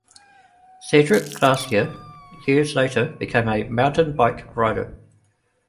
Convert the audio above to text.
Cedric Gracia, years later, became a mountain bike rider.